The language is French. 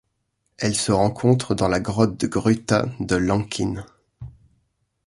Elle se rencontre dans la grotte Grutas de Lanquín.